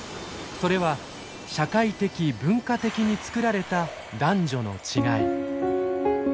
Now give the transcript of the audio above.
それは社会的文化的に作られた男女の違い。